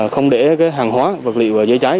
không để hàng hóa vật liệu dưới cháy